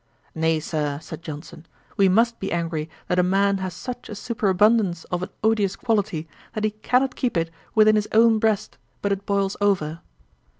'Nay, Sir, (said Johnson,) we must be angry that a man has such a superabundance of an odious quality, that he cannot keep it within his own breast, but it boils over.'